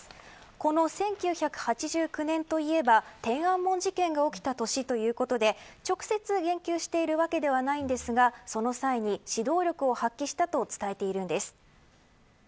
この１９８９年といえば天安門事件が起きた年ということで直接、言及しているわけではありませんがその際に、指導力を発揮したと伝えているんです。